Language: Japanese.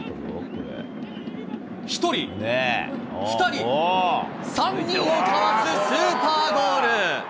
１人、２人、３人をかわすスーパーゴール。